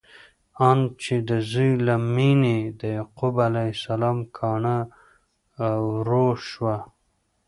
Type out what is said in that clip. آن چې د زوی له مینې د یعقوب علیه السلام کانه وروشوه!